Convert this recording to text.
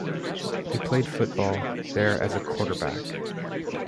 He played football there as a quarterback.